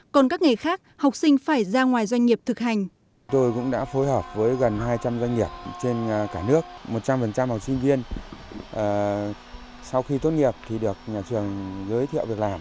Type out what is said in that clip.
còn các nghề khác học sinh phải ra ngoài doanh nghiệp thực hành